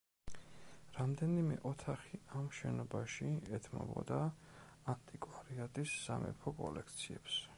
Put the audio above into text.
რამდენიმე ოთახი ამ შენობაში ეთმობოდა ანტიკვარიატის სამეფო კოლექციებს.